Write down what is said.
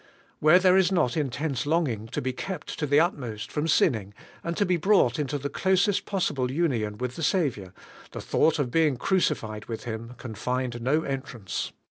Where there is not intense longing to be kept to the utmost from sinning, and to be brought into the closest possible union with the Saviour, the thought of being crucified with Him can find no entrance.